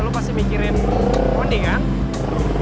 lu pasti mikirin mondi kan